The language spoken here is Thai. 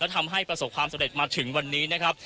ทำให้ประสบความสำเร็จมาถึงวันนี้นะครับ